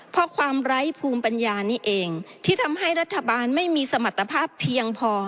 เพราะความไร้ภูมิปัญญานี่เองที่ทำให้รัฐบาลไม่มีสมรรถภาพเพียงพอ